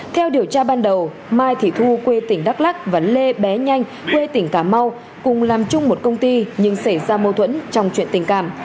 theo điều tra ban đầu mai thị thu quê tỉnh đắk lắc và lê bé nhanh quê tỉnh cà mau cùng làm chung một công ty nhưng xảy ra mâu thuẫn trong chuyện tình cảm